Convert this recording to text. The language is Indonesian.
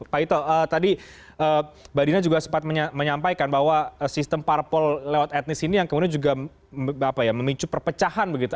pak ito tadi mbak dina juga sempat menyampaikan bahwa sistem parpol lewat etnis ini yang kemudian juga memicu perpecahan begitu